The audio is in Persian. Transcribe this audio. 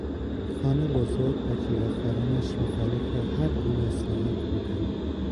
خان بزرگ و جیرهخوارنش مخالف هر گونه اصلاحات بودند.